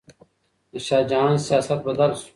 د شاه جهان سیاست بدل سو